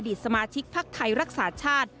อดีตสมาชิกภัครัฐไทยรักษาชาติ